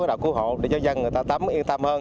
có đội cứu hộ để cho dân người ta tắm yên tâm hơn